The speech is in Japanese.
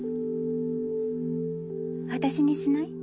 私にしない？